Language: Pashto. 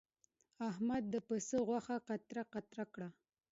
احمد د پسه غوښه قطره قطره کړه.